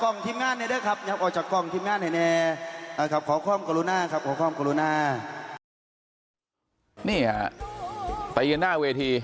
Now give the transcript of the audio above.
นี่ฮะไปกันหน้าเวที